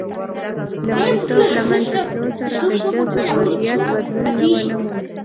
د مریتوب له منځه تلو سره د جنوب وضعیت بدلون ونه موند.